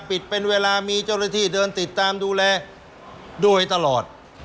ปิดเป็นเวลามีเจ้าหน้าที่เดินติดตามดูแลโดยตลอด